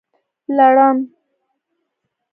لړم